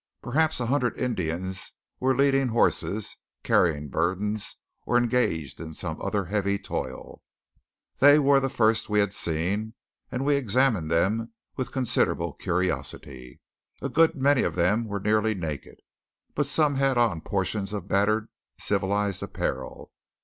Perhaps a hundred Indians were leading horses, carrying burdens or engaged in some other heavy toil. They were the first we had seen, and we examined them with considerable curiosity. A good many of them were nearly naked; but some had on portions of battered civilized apparel.